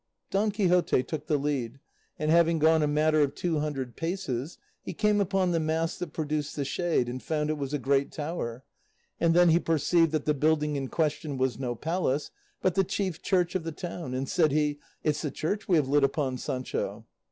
Don Quixote took the lead, and having gone a matter of two hundred paces he came upon the mass that produced the shade, and found it was a great tower, and then he perceived that the building in question was no palace, but the chief church of the town, and said he, "It's the church we have lit upon, Sancho."